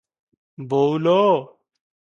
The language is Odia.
"ବୋଉଲୋ!